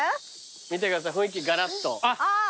見てください雰囲気ガラッと。